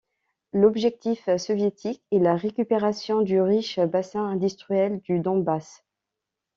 L'objectif soviétique est la récupération du riche bassin industriel du Donbass.